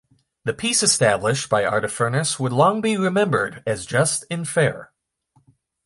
The peace established by Artaphernes would long be remembered as just and fair.